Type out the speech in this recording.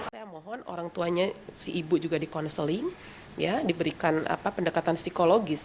saya mohon orang tuanya si ibu juga di counseling diberikan pendekatan psikologis